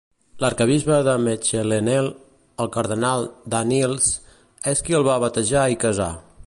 L'arquebisbe de Mechelenel, el cardenal Danneels, és qui el va batejar i casar.